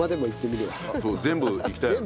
そう全部いきたいよね。